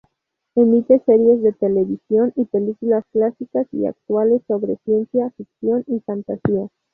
Emite series de televisión y películas clásicas y actuales sobre ciencia ficción y fantasía.